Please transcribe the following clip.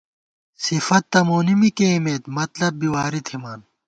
صفت تہ مونی می کېئیمېت ، مطلب بی وری تھِمان